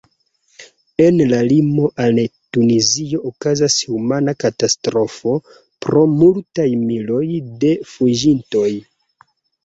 En la limo al Tunizio okazas humana katastrofo pro multaj miloj de fuĝintoj.